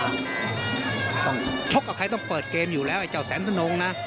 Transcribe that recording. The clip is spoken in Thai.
ต้องยังต้องชกกับใครต้องเปิดเกมอยู่แล้วอีเจ้าแสนทนงอ่ะ